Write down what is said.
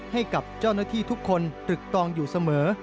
ให้กับเจ้าหน้าที่ทุกคนตึกตองอยู่เสมอ